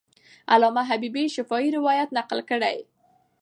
علامه حبیبي شفاهي روایت نقل کړی.